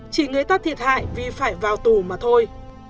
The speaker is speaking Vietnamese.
chỉ người ta thiệt hại vì phải vào tù mà thôi